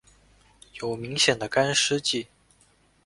有明显的干湿季。